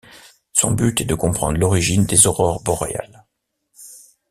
Son but est de comprendre l'origine des aurores boréales.